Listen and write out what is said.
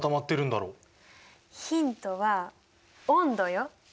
ヒントは温度よ！